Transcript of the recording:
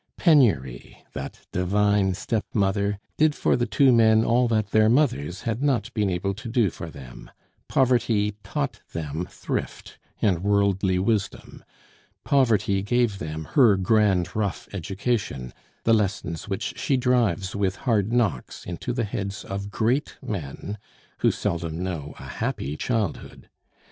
Penury, that divine stepmother, did for the two men all that their mothers had not been able to do for them; Poverty taught them thrift and worldly wisdom; Poverty gave them her grand rough education, the lessons which she drives with hard knocks into the heads of great men, who seldom know a happy childhood.